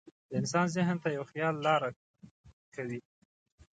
د انسان ذهن ته یو خیال لاره کوي.